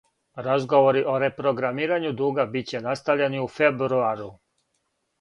Разговори о репрограмирању дуга биће настављени у фербруару.